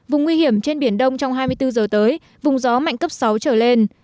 vùng nguy hiểm trên biển đông trong hai mươi bốn giờ tới vùng gió mạnh cấp sáu trở lên